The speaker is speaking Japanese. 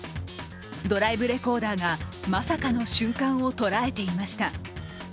ドライブレコーダーがまさかの瞬間を捉えていました。